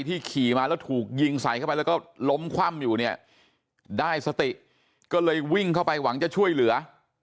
ขี่มาแล้วถูกยิงใส่เข้าไปแล้วก็ล้มคว่ำอยู่เนี่ยได้สติก็เลยวิ่งเข้าไปหวังจะช่วยเหลือ